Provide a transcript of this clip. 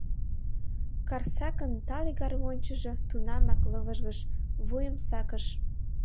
Карсакын тале гармоньчыжо тунамак лывыжгыш, вуйым сакыш.